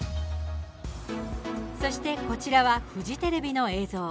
そしてこちらはフジテレビの映像。